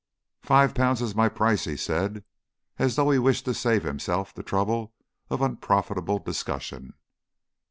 "Five pounds is my price," he said, as though he wished to save himself the trouble of unprofitable discussion.